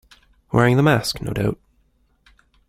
Wearing the mask, no doubt.